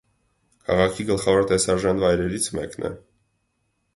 Քաղաքի գլխավոր տեսարժան վայրերից մեկն է։